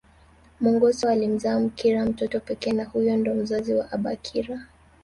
Mongoso alimzaa Mkira mtoto pekee na huyu ndo mzazi wa abakira